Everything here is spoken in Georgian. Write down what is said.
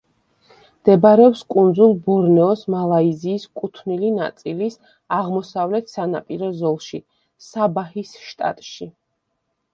მდებარეობს კუნძულ ბორნეოს მალაიზიის კუთვნილი ნაწილის აღმოსავლეთ სანაპირო ზოლში, საბაჰის შტატში.